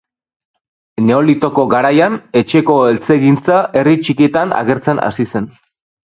Neolitoko garaian, etxeko eltzegintza herri txikietan agertzen hasi zen